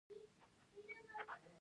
ماشوم مو کانګې کوي؟